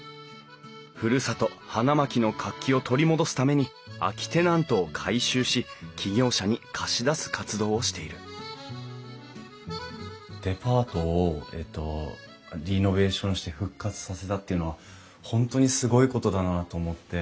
ふるさと花巻の活気を取り戻すために空きテナントを改修し起業者に貸し出す活動をしているデパートをリノベーションして復活させたっていうのは本当にすごいことだなと思って。